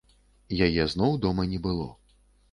Яе зноў дома не было.